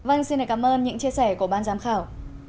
vâng xin cảm ơn những chia sẻ của ban giám khảo